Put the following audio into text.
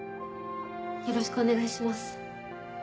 よろしくお願いします。